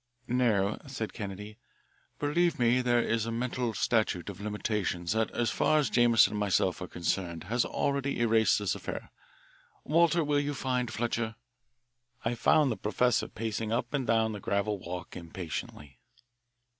"No," said Kennedy, "believe me, there is a mental statute of limitations that as far as Jameson and myself are concerned has already erased this affair. Walter, will you find Fletcher?" I found the professor pacing up and down the gravel walk impatiently.